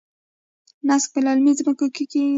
نسک په للمي ځمکو کې کیږي.